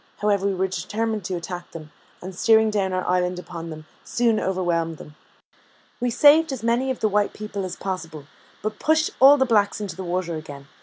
However, we were determined to attack them, and steering down our island upon them, soon overwhelmed them: we saved as many of the white people as possible, but pushed all the blacks into the water again.